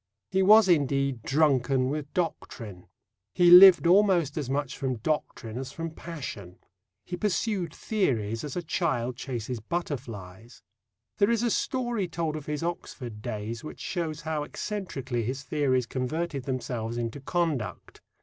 He was indeed drunken with doctrine. He lived almost as much from doctrine as from passion. He pursued theories as a child chases butterflies. There is a story told of his Oxford days which shows how eccentrically his theories converted themselves into conduct.